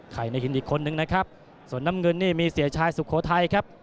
ในหินอีกคนนึงนะครับส่วนน้ำเงินนี่มีเสียชายสุโขทัยครับ